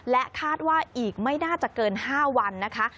และคาดว่าอีกไม่น่าจะเกิน๕วันนะคะ